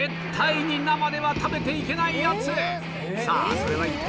さぁそれは一体？